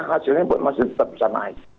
hasilnya masih tetap bisa naik